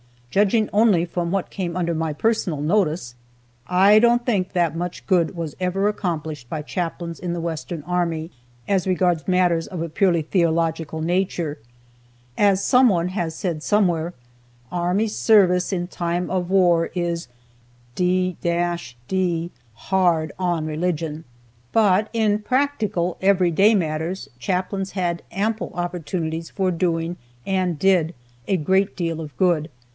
Judging only from what came under my personal notice, I don't think that much good was ever accomplished by chaplains in the Western army, as regards matters of a purely theological nature. As some one has said somewhere: "Army service in time of war is d d hard on religion." But in practical, everyday matters, chaplains had ample opportunities for doing, and did, a great deal of good.